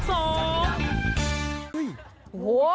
โอ้โห